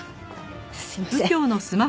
すいません。